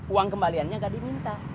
uang kembaliannya gak diminta